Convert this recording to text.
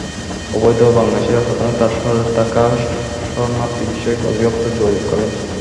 অবৈধ বাংলাদেশিরা প্রথমে তার শহরে থাকা শরণার্থী বিষয়ক অধিদপ্তরে যোগাযোগ করেন।